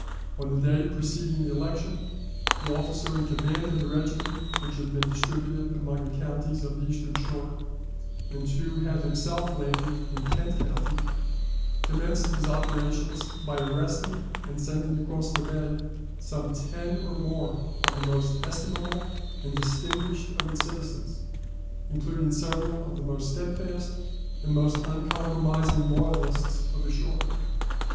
On the day preceding the election, the officer in command of the regiment which had been distributed among the counties of the Eastern Shore, and who had himself landed in Kent County, commenced his operations by arresting and sending across the bay some ten or more of the most estimable and distinguished of its citizens, including several of the most steadfast and most uncompromising loyalists of the Shore.